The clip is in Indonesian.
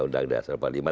undang undang pasal lima